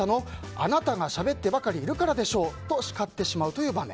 あなたがしゃべってばかりいるからでしょうと叱ってしまうという場面。